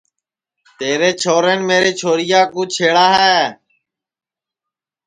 تیرے چھورین میری چھوریا کُو چھیڑا ہے